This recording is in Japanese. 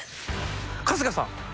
春日さん。